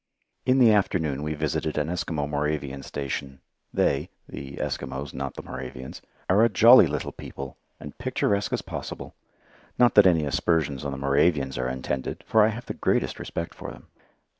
In the afternoon we visited an Eskimo Moravian station. They the Eskimos, not the Moravians are a jolly little people, and picturesque as possible. Not that any aspersions on the Moravians are intended, for I have the greatest respect for them.